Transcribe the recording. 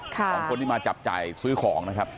ของคนที่มาจับจ่ายซื้อของนะครับ